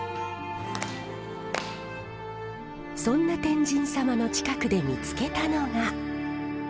そんな天神様の近くで見つけたのが。